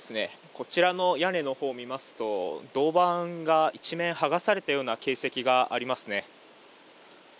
こちらの屋根のほう見ますと、銅板が一面、剥がされたような形跡がありますね。